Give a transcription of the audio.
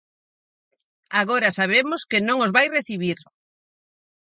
Agora sabemos que non os vai recibir.